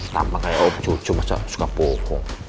tampak kayak om jojo masih suka bohong